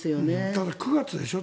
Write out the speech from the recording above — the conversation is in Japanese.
ただ９月でしょ。